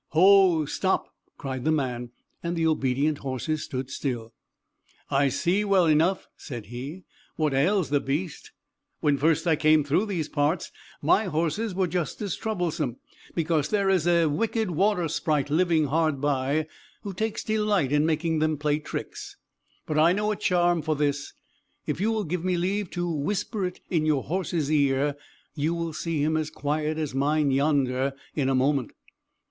"Ho, stop!" cried the man, and the obedient horses stood still. "I see well enough," said he, "what ails the beast. When first I came through these parts my horses were just as troublesome; because there is a wicked water sprite living hard by, who takes delight in making them play tricks. But I know a charm for this; if you will give me leave to whisper it in your horse's ear, you will see him as quiet as mine yonder in a moment."